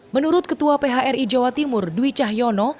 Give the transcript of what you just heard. menurut ketua phri jawa timur dwi cahyono